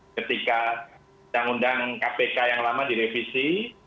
ketika undang undang kpk yang lama direvisi